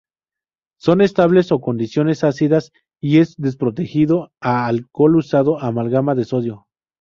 Son estables a condiciones ácidas, y es desprotegido a alcohol usando amalgama de sodio.